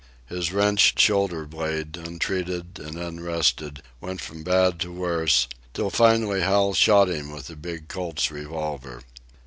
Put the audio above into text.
His wrenched shoulder blade, untreated and unrested, went from bad to worse, till finally Hal shot him with the big Colt's revolver.